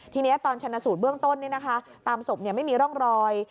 ทีนี้ตอนชนสูตรเบื้องต้นนี่นะคะตามศพเนี่ยไม่มีร่องรอย